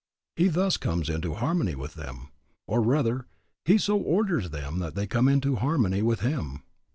He thus comes into harmony with them; or rather, he so orders them that they come into harmony with him.